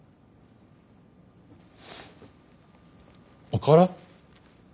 おから？